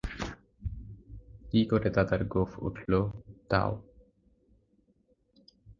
কী করে দাদার গোঁফ উঠল, তাও?